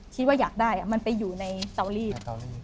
ที่ว่าอยากได้มันไปอยู่ในเตาลีด